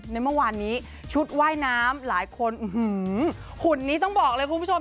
ในเมื่อวานนี้ชุดว่ายน้ำหลายคนหุ่นนี้ต้องบอกเลยคุณผู้ชม